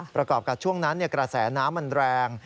ประกอบกับช่วงนั้นกระแสน้ำมันแรง